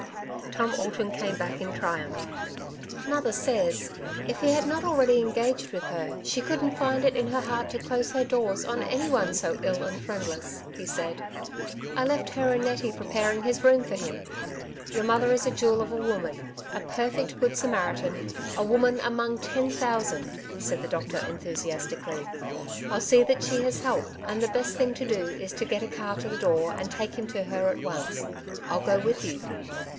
Tom Alton came back in triumph. '' Mother says, if he had not already engaged with her, she couldn't find it in her heart to close her doors on any one so ill and friendless," he said. '' I left her and Nettie preparing his room for him." '' Your mother is a jewel of a woman, a perfect good Samaritan, a woman among ten thousand !" said the doctor enthusiastically. *^ I'll see that she has help; and the best thing to do is to get a car to the door, and take him to her at once. I'll go with you."